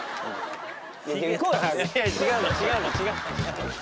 違うの違うの。